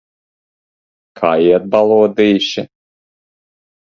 Kā iet, balodīši?